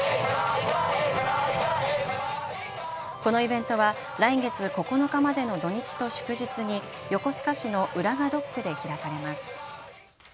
このイベントは来月９日までの土日と祝日に横須賀市の浦賀ドックで開かれます。